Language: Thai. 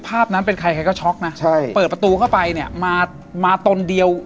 ภาพนั้นเป็นใครใครก็ช็อกนะใช่เปิดประตูเข้าไปเนี่ยมามาตนเดียว